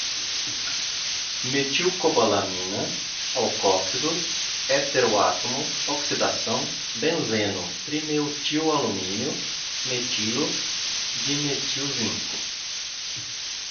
metilcobalamina, alcóxidos, heteroátomo, oxidação, benzeno, trimetilalumínio, metilo, dimetilzinco